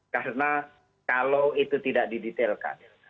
karena kalau itu tidak didetailkan